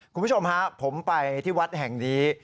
คุณผู้ชมครับผมไปที่วัดแห่งดี